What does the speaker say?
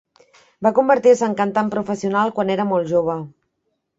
Va convertir-se en cantant professional quan era molt jove.